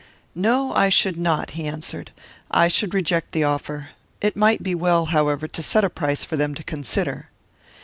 "No, I should not," he answered. "I should reject the offer. It might be well, however, to set a price for them to consider."